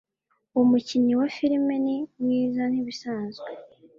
Uwo mukinnyi wa filime ni mwiza nkibisanzwe